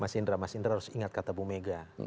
mas indra mas indra harus ingat kata bu mega